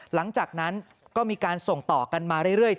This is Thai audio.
หลังจากนั้นก็มีการส่งต่อกันมาเรื่อย